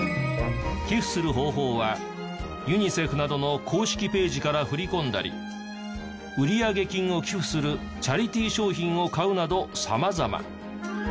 寄付する方法はユニセフなどの公式ページから振り込んだり売上金を寄付するチャリティー商品を買うなど様々。